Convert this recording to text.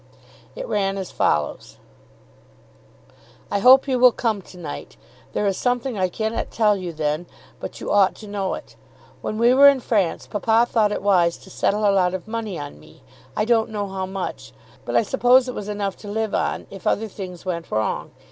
It ran as follows: I hope you will come to night. There is something I cannot tell you then, but you ought to know it. When we were in France papa thought it wise to settle a lot of money on me. I don't know how much, but I suppose it was enough to live on if other things went wrong.